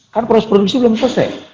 kan proses produksi belum selesai